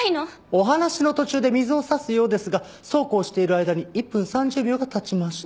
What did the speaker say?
お話の途中で水を差すようですがそうこうしている間に１分３０秒が経ちました。